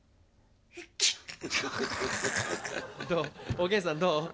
おげんさんどう？